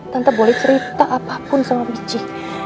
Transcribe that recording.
tante boleh cerita apapun sama biji